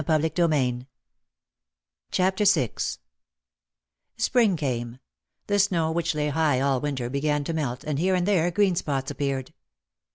22 OUT OF THE SHADOW VI Spring came. The snow which lay high all winter began to melt, and here and there green spots appeared.